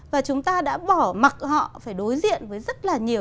và chúng ta đã bỏ mặc họ phải đối diện với rất là nhiều